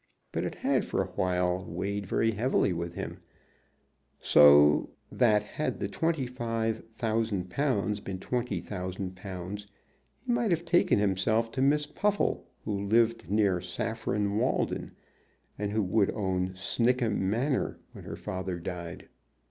But it had for a while weighed very seriously with him, so that had the twenty five thousand pounds been twenty thousand pounds, he might have taken himself to Miss Puffle, who lived near Saffron Walden and who would own Snickham Manor when her father died.